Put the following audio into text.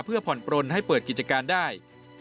เพื่อผ่อนปลนให้เปิดกิจการได้